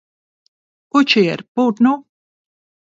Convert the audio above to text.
Kučier, pūt nu!